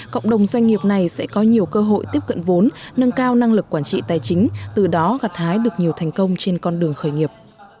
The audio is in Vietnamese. cộng đồng doanh nghiệp này sẽ có nhiều cơ hội tiếp cận vốn nâng cao năng lực quản trị tài chính từ đó gặt hái được nhiều thành công trên con đường khởi nghiệp